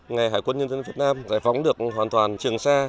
ngày hải quân nhân dân việt nam giải phóng được hoàn toàn trường sa